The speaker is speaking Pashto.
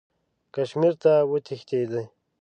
کشمیر ته وتښتېدی.